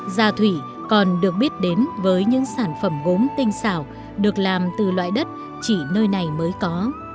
gia thủy còn được biết đến với những sản phẩm gốm tinh xảo được làm từ loại đất chỉ nơi này mới có